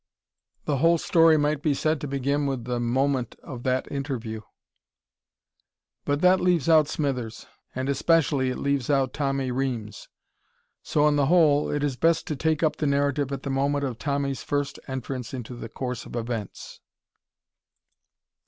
The whole story might be said to begin with the moment of that interview. But that leaves out Smithers, and especially it leaves out Tommy Reames. So, on the whole, it is best to take up the narrative at the moment of Tommy's first entrance into the course of events.